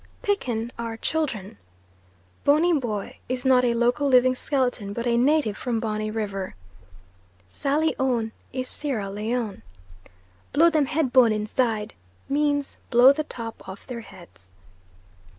"Pickin" are children. "Boney bwoy" is not a local living skeleton, but a native from Bonny River. "Sally own" is Sierra Leone. "Blow them head bone inside" means, blow the top off their heads.